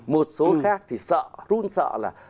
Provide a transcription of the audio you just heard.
một số khác thì sợ run sợ là